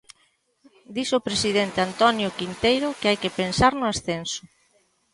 Dixo o presidente Antonio Quinteiro que hai que pensar no ascenso.